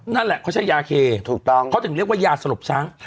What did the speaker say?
นั่นแหละเขาใช้ยาเคถูกต้องเขาถึงเรียกว่ายาสลบช้าง